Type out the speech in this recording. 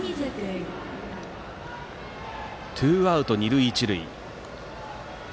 ツーアウト二塁一塁。